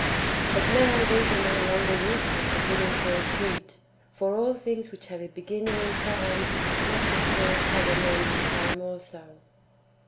But now these are no longer useful for bringing forth fruit. For all things which have a beginning in time must of course have an end in time also.